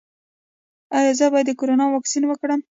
ایا زه باید د کرونا واکسین وکړم؟